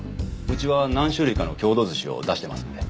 うちは何種類かの郷土寿司を出してますんで。